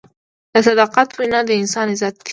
د صداقت وینا د انسان عزت دی.